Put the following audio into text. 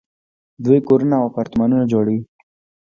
دوی کورونه او اپارتمانونه جوړوي.